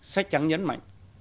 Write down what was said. sách trắng nhấn mạnh